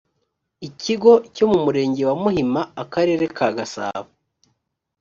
icyigo cyo mu murenge wa muhima akarere ka gasabo